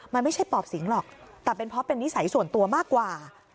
มันไม่ใช่ปอบสิงหรอกแต่เป็นเพราะเป็นนิสัยส่วนตัวมากกว่า